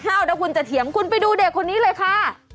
เดี๋ยวคุณจะเถียงคุณไปดูเด็กคนนี้เลยค่ะ